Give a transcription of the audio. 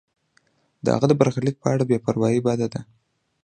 د هغه د برخلیک په اړه بې پروایی بده ده.